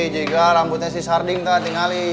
jika rambutnya si sarding ternyata ngali